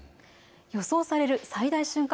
予想される最大瞬間